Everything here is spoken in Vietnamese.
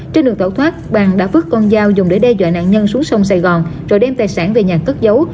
trên đường tẩu thoát bàng đã vứt con dao dùng để đe dọa nạn nhân xuống sông sài gòn rồi đem tài sản về nhà cất giấu